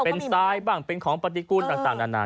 เป็นทรายบ้างเป็นของปฏิกูลต่างนานา